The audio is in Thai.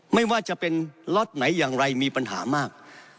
ไม่ว่าจะเป็นล็อตไหนอย่างไรมีปัญหามาก